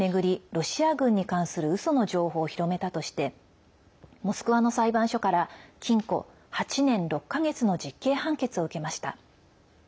ロシア軍に関するうその情報を広めたとしてモスクワの裁判所から禁錮８年６か月の実刑判決を受けました。